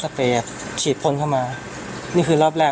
แต่ผมโดนกรณีนี้คือคนเดียว